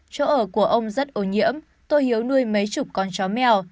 chỗ ở của ông rất ô nhiễm tôi hiếu nuôi mấy chục con chó mèo